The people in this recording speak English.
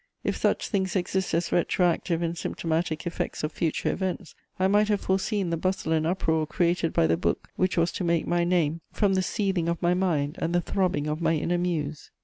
If such things exist as retroactive and symptomatic effects of future events, I might have foreseen the bustle and uproar created by the book which was to make my name from the seething of my mind and the throbbing of my inner muse.